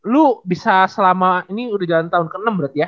lu bisa selama ini sudah jalan tahun ke enam berarti ya